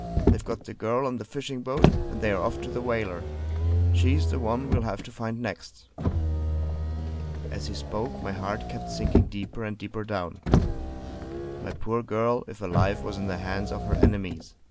They've got the girl on the fishing boat; and they're off for the whaler. She's the one we'll have to find next!" As he spoke my heart kept sinking deeper and deeper down. My poor girl, if alive, was in the hands of her enemies.